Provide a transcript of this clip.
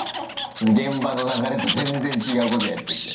現場の流れと全然違うことやっちゃって。